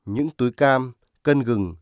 những túi cam cân rừng